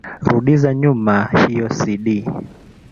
Rudiza nyuma iyo cd.